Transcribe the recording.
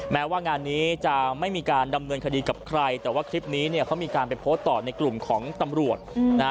แม้ว่างานนี้จะไม่มีการดำเนินคดีกับใครแต่ว่าคลิปนี้เนี่ยเขามีการไปโพสต์ต่อในกลุ่มของตำรวจนะฮะ